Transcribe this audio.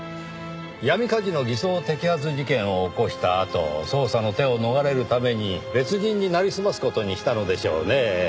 闇カジノ偽装摘発事件を起こしたあと捜査の手を逃れるために別人になりすます事にしたのでしょうねぇ。